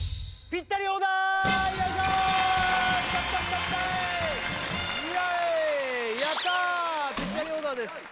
ぴったりオーダーです